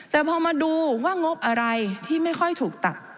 แต่พอมาดูว่างบอะไรที่ไม่ค่อยถูกตัด